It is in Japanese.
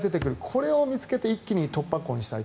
それを見つけて一気に突破口にすると。